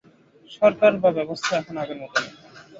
সরকার বা ব্যবস্থা এখন আগের মতো নেই।